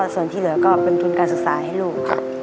ส่วนที่เหลือก็เป็นทุนการศึกษาให้ลูกค่ะ